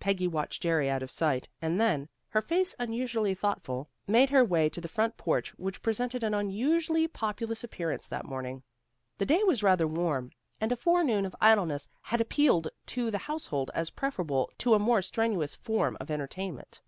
Peggy watched Jerry out of sight, and then, her face unusually thoughtful, made her way to the front porch which presented an unusually populous appearance that morning. The day was rather warm, and a forenoon of idleness had appealed to the household as preferable to a more strenuous form of entertainment.